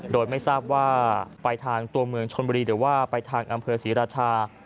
โดยไม่ทราบว่าไปทางตัวเมืองชนบุรีหรือว่าไปทางอำเภอศรีราชา